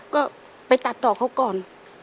ก็ไปตัดต่อเขาก่อน